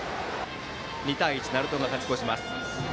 ２対１、鳴門が勝ち越します。